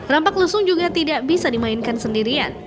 rampak lesung juga tidak bisa dimainkan sendirian